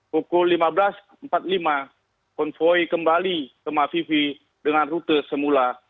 pukul lima belas empat puluh lima konvoy kembali ke mafifi dengan rute semula